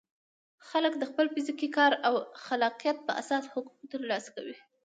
خلک د خپل فزیکي کار او خلاقیت په اساس حقوق ترلاسه کوي.